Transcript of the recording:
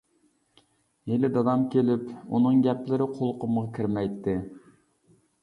ھېلى دادام كېلىپ. ئۇنىڭ گەپلىرى قۇلىقىمغا كىرمەيتتى.